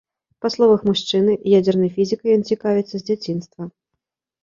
Па словах мужчыны, ядзернай фізікай ён цікавіцца з дзяцінства.